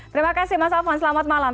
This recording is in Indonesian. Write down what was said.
terima kasih mas alfon selamat malam